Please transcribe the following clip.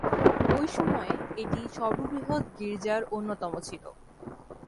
ঐ সময়ে এটি সর্ববৃহৎ গির্জার অন্যতম ছিল।